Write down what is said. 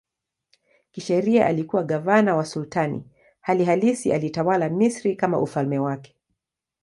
Kisheria alikuwa gavana wa sultani, hali halisi alitawala Misri kama ufalme wake.